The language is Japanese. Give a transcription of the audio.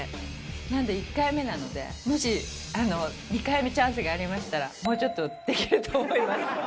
なんで１回目なんで、もし、２回目チャンスがありましたら、もうちょっとできると思います。